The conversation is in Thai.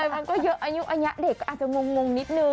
มันก็เยอะอายุอันยะเด็กอาจจะงงนิดนึง